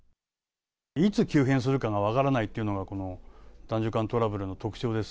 いつ急変するかが分からないというのが、この男女間トラブルの特徴です。